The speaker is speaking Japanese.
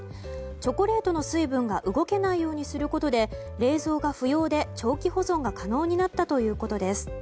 チョコレートの水分が動けないようにすることで冷蔵が不要で長期保存が可能になったということです。